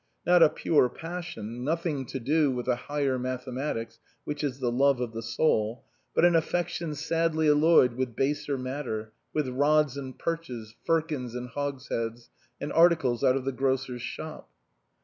Not a pure passion, nothing to do with the higher mathematics, which is the love of the soul, but an affection sadly alloyed with baser matter, with rods and perches, firkins and hogsheads, and articles out of the grocer's shop.